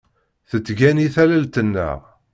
Tettgani tallalt-nneɣ.